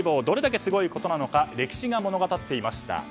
どれだけすごいことなのか歴史が物語っていました。